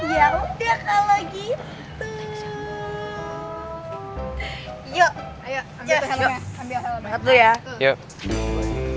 ya udah kalau gitu